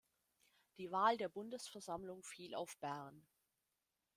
Die Wahl der Bundesversammlung fiel auf Bern.